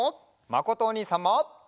まことおにいさんも！